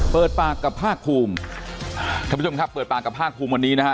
เปิดปากกับภาคภูมิท่านผู้ชมครับเปิดปากกับภาคภูมิวันนี้นะฮะ